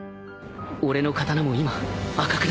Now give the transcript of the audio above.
俺の刀も今赤くなった